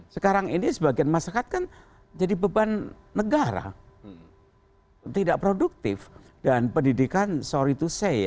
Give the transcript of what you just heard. sekarang ini sebagian masyarakat kan jadi beban negara tidak produktif dan pendidikan sorry to say